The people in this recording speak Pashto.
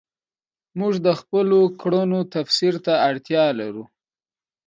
موږ د خپلو کړنو تفسیر ته اړتیا لرو.